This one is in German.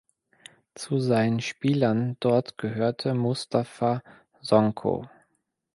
Zu seinen Spielern dort gehörte Moustapha Sonko.